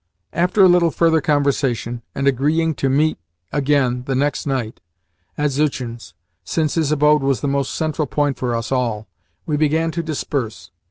After a little further conversation, and agreeing to meet again the next night at Zuchin's, since his abode was the most central point for us all, we began to disperse.